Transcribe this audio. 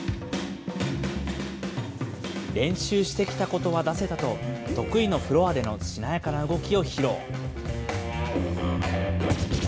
練習してきたことは出せたと、得意のフロアでのしなやかな動きを披露。